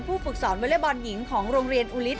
ผู้ฝึกสอนเวลบอลหญิงของโรงเรียนอุลิศ